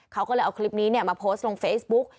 เขาก็เลยเอาคลิปนี้มาโพสต์ลงเฟซบุ๊ก